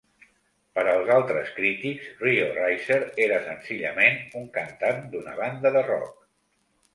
Per als altres crítics, Rio Reiser era senzillament un cantant d'una banda de rock.